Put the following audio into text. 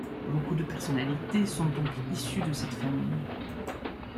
Beaucoup de personnalité sont donc issues de cette famille.